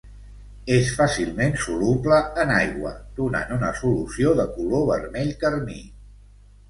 És fàcilment soluble en aigua, donant una solució de color vermell carmí.